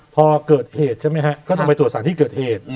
พอเกิดเหตุใช่ไหมฮะก็ต้องไปตรวจสารที่เกิดเหตุ